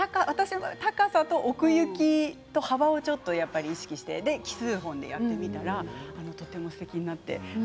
高さと奥行きと幅を意識して奇数本でやってみたらとてもすてきになって。